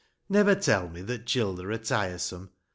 Chorus — Never tell me that childer are tiresome, &:c.